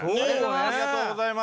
ありがとうございます！